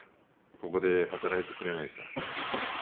ここで働いてくれないか？